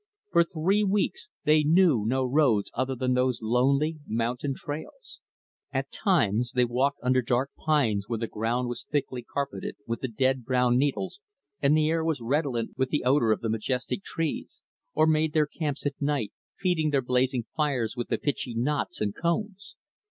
For three weeks, they knew no roads other than those lonely, mountain trails. At times, they walked under dark pines where the ground was thickly carpeted with the dead, brown needles and the air was redolent with the odor of the majestic trees; or made their camps at night, feeding their blazing fires with the pitchy knots and cones.